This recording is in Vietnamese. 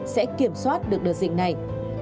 sẽ kiểm soát được đợt dịch này